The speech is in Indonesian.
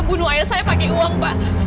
bapak udah bunuh ayah saya pakai uang pak